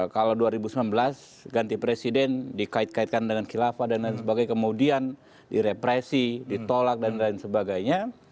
kalau dua ribu sembilan belas ganti presiden dikait kaitkan dengan khilafah dan lain sebagainya kemudian direpresi ditolak dan lain sebagainya